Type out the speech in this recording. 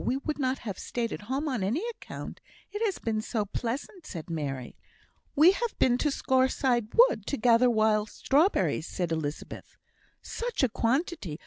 We would not have stayed at home on any account. It has been so pleasant," said Mary. "We've been to Scaurside Wood, to gather wild strawberries," said Elizabeth. "Such a quantity!